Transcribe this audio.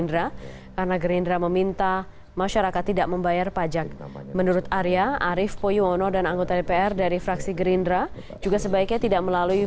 dan boykot pembayaran pajak